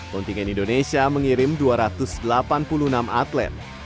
kontingen indonesia mengirim dua ratus delapan puluh enam atlet